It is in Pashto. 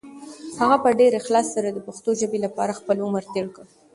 هغه په ډېر اخلاص سره د پښتو ژبې لپاره خپل عمر تېر کړ.